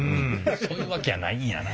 そういうわけやないんやな。